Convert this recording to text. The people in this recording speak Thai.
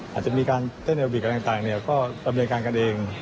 อาจจะมีการเต้นแอร์โอบิกกันต่างก็ประเภทกันกันเอง